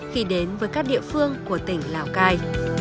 khi đến với các địa phương của tỉnh lào cai